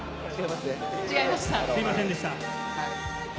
すみませんでした。